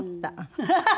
ハハハハ！